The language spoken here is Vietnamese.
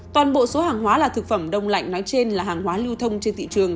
toàn bộ số hàng hóa là thực phẩm đông lạnh nói trên là hàng hóa lưu thông trên thị trường